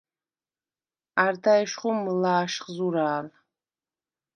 არდა ეშხუ მჷლა̄შხ ზურა̄ლ.